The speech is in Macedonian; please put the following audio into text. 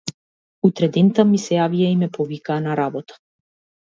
Утредента ми се јавија и ме повикаа на работа.